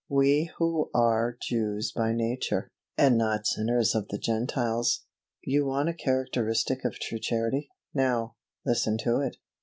We who are Jews by nature, and not sinners of the Gentiles." You want a characteristic of true Charity. Now, listen to it.